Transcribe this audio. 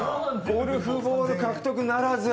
ゴルフボール、獲得ならず。